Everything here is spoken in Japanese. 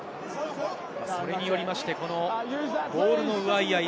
それによりましてボールの奪い合い。